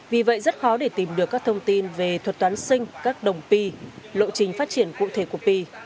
vì vậy rất khó để tìm được các thông tin về thuật toán sinh các đồng p lộ trình phát triển cụ thể của p